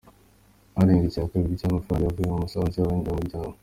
Arenga icya kabiri cy’aya mafaranga yavuye mu misanzu y’abanyamuryango.